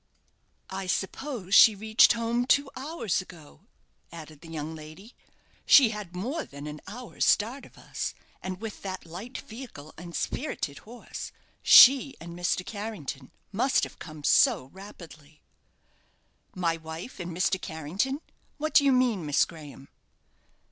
"I suppose she reached home two hours ago," added the young lady. "She had more than an hour's start of us; and with that light vehicle and spirited horse she and Mr. Carrington must have come so rapidly." "My wife and Mr. Carrington! What do you mean, Miss Graham?"